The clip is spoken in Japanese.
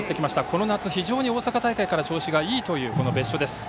この夏、非常に大阪大会から調子がいいという別所です。